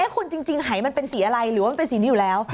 คุณจริงหายมันเป็นสีอะไรหรือว่ามันเป็นสีนี้อยู่แล้ว